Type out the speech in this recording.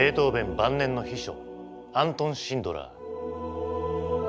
晩年の秘書アントン・シンドラー。